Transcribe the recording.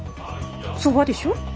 そばでしょ。